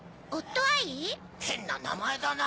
変な名前だな